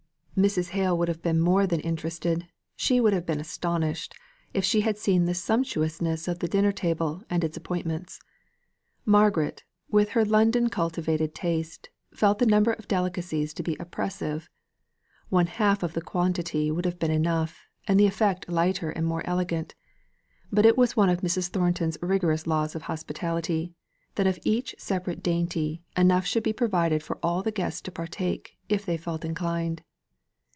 Mrs. Hale would have been more than interested, she would have been astonished, if she had seen the sumptuousness of the dinner table and its appointments. Margaret, with her London cultivated taste, felt the number of delicacies to be oppressive; one half of the quantity would have been enough, and the effect tighter and more elegant. But it was one of Mrs. Thornton's rigorous laws of hospitality, that of each separate dainty enough should be provided for all the guests to partake, if they felt inclined.